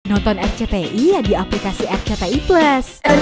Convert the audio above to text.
nonton rcti ya di aplikasi rcti plus